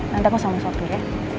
nanti aku sama satu ya